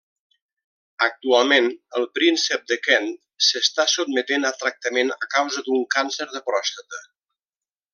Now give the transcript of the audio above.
Actualment el príncep de Kent s'està sotmetent a tractament a causa d'un càncer de pròstata.